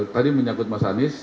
tadi menyangkut mas anies